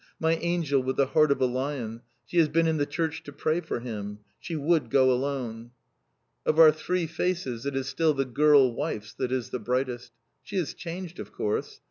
My angel, with the heart of a lion. She has been in the church to pray for him! She would go alone." Of our three faces it is still the girl wife's that is the brightest. She has changed, of course.